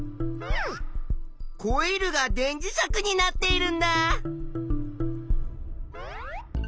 コイルが電磁石になっているんだ！